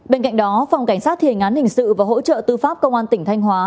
bên cạnh đó phòng cảnh sát thiền án hình sự và hỗ trợ tư pháp công an tỉnh thanh hóa